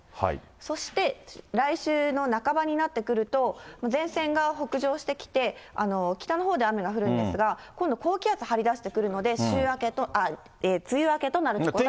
そして来週の半ばになってくると、前線が北上してきて、北のほうで雨が降るんですが、今度高気圧はりだしてくるので、梅雨明けとなる見込みです。